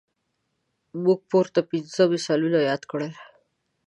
موږ پورته پنځه مثالونه یاد کړل.